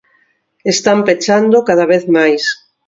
Están pechando cada vez máis.